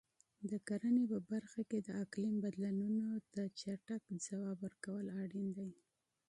د کرنې په برخه کې د اقلیم بدلونونو ته چټک ځواب ورکول اړین دي.